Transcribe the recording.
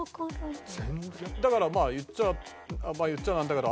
だからまあ言っちゃあ言っちゃあなんだけど。